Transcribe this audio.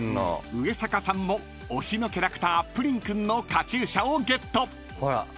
［上坂さんも推しのキャラクタープリンくんのカチューシャをゲット］ほらっ。